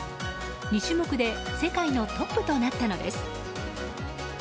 ２種目で世界のトップとなったのです。